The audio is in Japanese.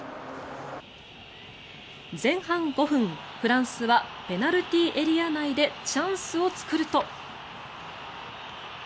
前半５分、フランスはペナルティーエリア内でチャンスを作ると。